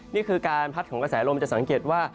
นี่คือการพัดของกระแสลมจะสังเกตว่า